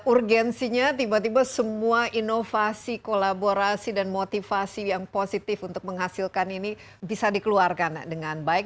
urgensinya tiba tiba semua inovasi kolaborasi dan motivasi yang positif untuk menghasilkan ini bisa dikeluarkan dengan baik